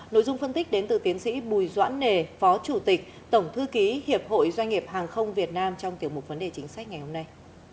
nội dung phân tích đến từ tiến sĩ bùi doãn nề phó chủ tịch tổng thư ký hiệp hội doanh nghiệp hàng không việt nam trong tiểu mục vấn đề chính sách ngày hôm nay